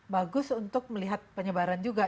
bagus untuk melihat penyebaran juga